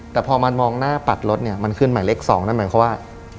แต่พอมันมองหน้าปัดรถเนี่ยมันขึ้นหมายเลข๒นั่นหมายความว่า